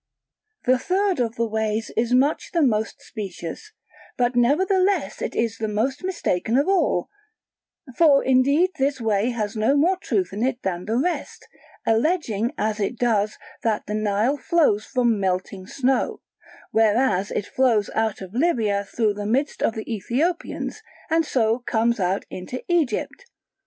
The third of the ways is much the most specious, but nevertheless it is the most mistaken of all: for indeed this way has no more truth in it than the rest, alleging as it does that the Nile flows from melting snow; whereas it flows out of Libya through the midst of the Ethiopians, and so comes out into Egypt.